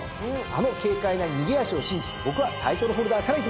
あの軽快な逃げ脚を信じて僕はタイトルホルダーからいきます。